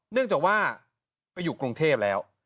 อยู่กับกรุงเทพแล้ว